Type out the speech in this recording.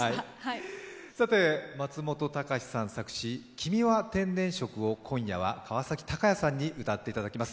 松本隆さん作詞、「君は天然色」を今夜は川崎鷹也さんに歌っていただきます。